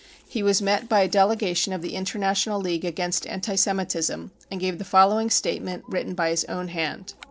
He was met by a delegation of the International League against anti Semitism and gave it the following statement written by his own hand.